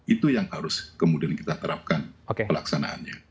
itu yang harus kemudian kita terapkan pelaksanaannya